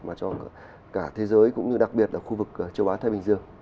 mà cho cả thế giới cũng như đặc biệt là khu vực châu á thái bình dương